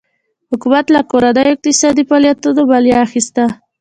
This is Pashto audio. حکومت له کورنیو اقتصادي فعالیتونو مالیه اخیسته.